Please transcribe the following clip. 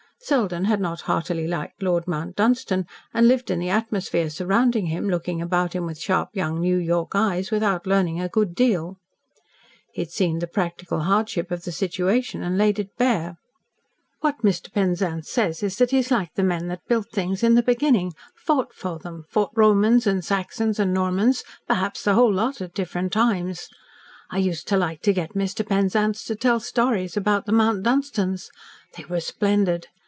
Selden had not heartily liked Lord Mount Dunstan, and lived in the atmosphere surrounding him, looking about him with sharp young New York eyes, without learning a good deal. He had seen the practical hardship of the situation, and laid it bare. "What Mr. Penzance says is that he's like the men that built things in the beginning fought for them fought Romans and Saxons and Normans perhaps the whole lot at different times. I used to like to get Mr. Penzance to tell stories about the Mount Dunstans. They were splendid.